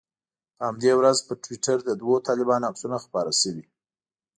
په همدې ورځ پر ټویټر د دوو طالبانو عکسونه خپاره شوي.